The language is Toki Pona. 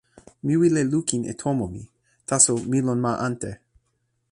mi wile lukin e tomo mi. taso mi lon ma ante.